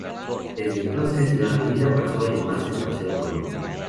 Desde entonces, la avenida pasó a llamarse paseo Colón.